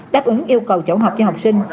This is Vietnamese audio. đáp ứng yêu cầu trổ học cho học sinh